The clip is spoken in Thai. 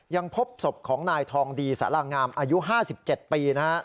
ยังพบศพของนายทองดีสารางามอายุ๕๗ปีนะครับ